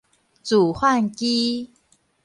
自販機